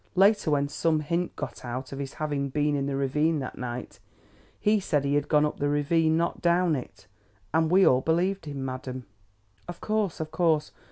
Later, when some hint got about of his having been in the ravine that night, he said he had gone up the ravine not down it. And we all believed him, madam." "Of course, of course.